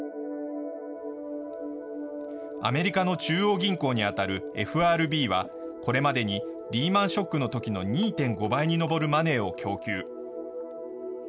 アメリカの中央銀行に当たるＦＲＢはこれまでにリーマンショックのときの２．５倍に上るマネーを供給。